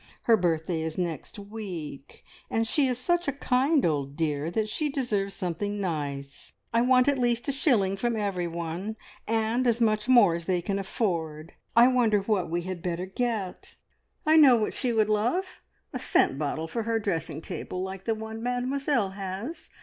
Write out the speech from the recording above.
Her birthday is next week, and she is such a kind old dear that she deserves something nice. I want at least a shilling from everyone, and as much more as they can afford. I wonder what we had better get?" "I know what she would love! A scent bottle for her dressing table like the one Mademoiselle has.